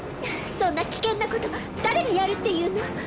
そんな危険なこと誰がやるっていうの？